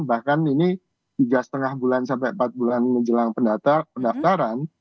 bahkan ini tiga lima bulan sampai empat bulan menjelang pendaftaran